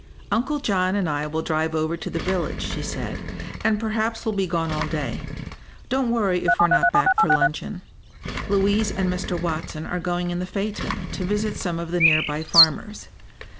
"Uncle John and I will drive over to the village," she said, "and perhaps we'll be gone all day. Don't worry if we're not back for luncheon. Louise and Mr. Watson are going in the phaeton to visit some of the near by farmers.